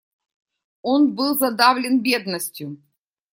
Он был задавлен бедностью.